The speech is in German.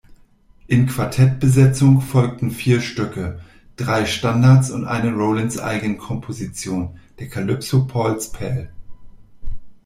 In Quartettbesetzung folgten vier Stücke, drei Standards und eine Rollins-Eigenkomposition, der Calypso „Paul’s Pal“.